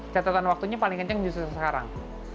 catatan waktunya paling kencang justru sekarang